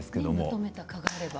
まとめた科があれば。